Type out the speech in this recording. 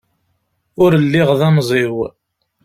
Ur lliɣ d amẓiw.